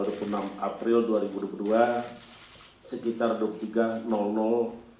ma sekretaris dinas pada dinas pupr kabupaten bogor